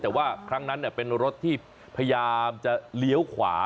แต่ว่าครั้งนั้นเป็นรถที่พยายามจะเลี้ยวขวา